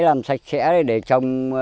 làm sạch sẽ để trồng